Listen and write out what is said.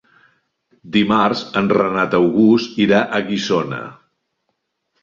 Dimarts en Renat August irà a Guissona.